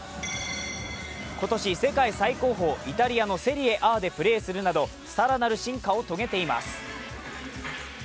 今年、世界最高峰、イタリアのセリエＡでプレーするなど更なる進化を遂げています。